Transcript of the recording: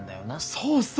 そうそう。